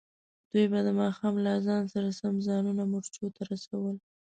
دوی به د ماښام له اذان سره سم ځانونه مورچو ته رسول.